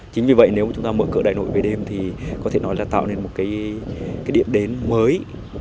chính vì vậy nếu chúng ta mở cửa đại nội về đêm thì có thể nói là tạo nên một cái điểm đến mới